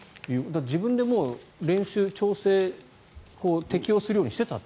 自分で練習、調整適応するようにしていたと。